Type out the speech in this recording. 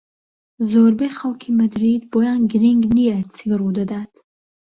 زۆربەی خەڵکی مەدرید بۆیان گرنگ نییە چی ڕوودەدات.